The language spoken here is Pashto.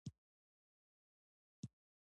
غرونه هسک و او ساګاني به تازه وې